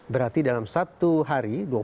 berarti dalam satu hari